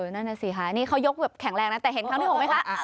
นั่นน่ะสิค่ะนี่เขายกแบบแข็งแรงนะแต่เห็นครั้งที่๖ไหมคะ